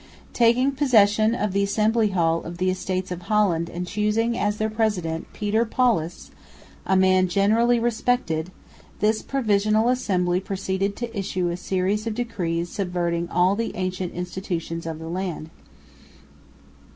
Taking possession of the Assembly Hall of the Estates of Holland and choosing as their president Pieter Paulus, a man generally respected, this Provisional Assembly proceeded to issue a series of decrees subverting all the ancient institutions of the land.